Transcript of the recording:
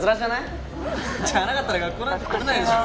じゃなかったら学校なんて来れないでしょ！